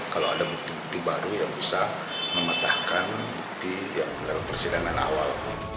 kalau ada bukti bukti baru yang bisa mematahkan bukti yang dalam persidangan awal